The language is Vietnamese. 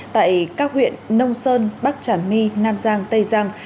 tại các huyện nông sơn bắc trà my nam giang tây giang